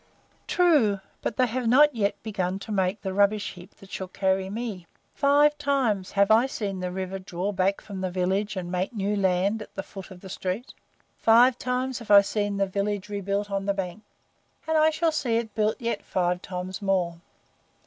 "True, but they have not yet begun to make the rubbish heap that shall carry ME. Five times have I seen the river draw back from the village and make new land at the foot of the street. Five times have I seen the village rebuilt on the banks, and I shall see it built yet five times more.